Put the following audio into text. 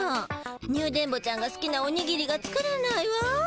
ニュ電ボちゃんがすきなおにぎりが作れないわ。